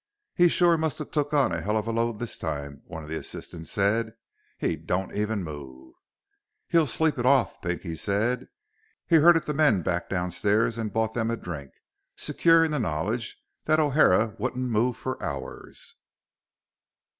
"He sure musta took on a hell of a load this time," one of the assistants said. "He don't even move." "He'll sleep it off," Pinky said. He herded the men back downstairs and bought them a drink, secure in the knowledge that O'Hara wouldn't move for hours.